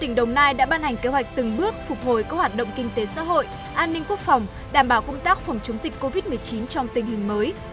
tỉnh đồng nai đã ban hành kế hoạch từng bước phục hồi các hoạt động kinh tế xã hội an ninh quốc phòng đảm bảo công tác phòng chống dịch covid một mươi chín trong tình hình mới